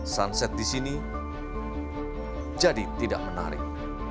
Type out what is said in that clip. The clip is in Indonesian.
sunset di sini jadi tidak menarik